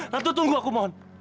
ratu tunggu aku mohon